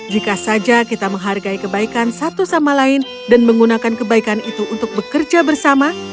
jika saja kita menghargai kebaikan satu sama lain dan menggunakan kebaikan itu untuk bekerja bersama